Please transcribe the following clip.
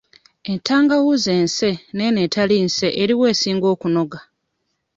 Entangawuuzi ense n'eno etali nse eriwa esinga okunoga?